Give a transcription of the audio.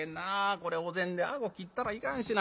これお膳で顎切ったらいかんしな。